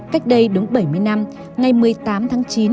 cách đây đúng bảy mươi năm ngày một mươi tám tháng chín